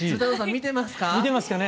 見てますかね？